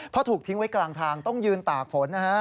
พอถูกทิ้งไว้กลางทางต้องยืนตากฝน